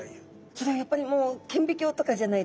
それはやっぱりもう顕微鏡とかじゃないと？